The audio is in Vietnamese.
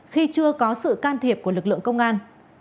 khi chưa có sự can thiệp của lực lượng công an